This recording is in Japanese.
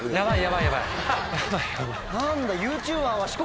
「何だ」。